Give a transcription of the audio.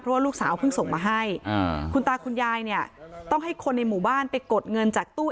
ว่าลูกสาวเพิ่งส่งมาให้คุณตาคุณยายเนี่ยต้องให้คนในหมู่บ้านไปกดเงินจากตู้